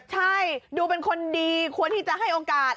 ใช่ดูเป็นคนดีควรที่จะให้โอกาส